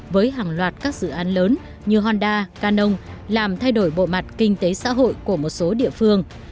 với hàng loạt các dự án lớn như honda canon làm thay đổi bộ mặt kinh tế xã hội của một số địa phương